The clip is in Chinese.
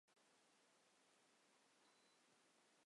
伊达政宗三男。